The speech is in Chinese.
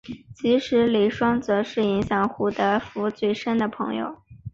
其中李双泽是影响胡德夫最深的朋友。